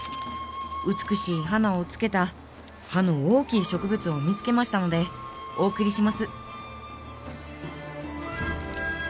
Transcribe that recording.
美しい花をつけた葉の大きい植物を見つけましたのでお送りします」。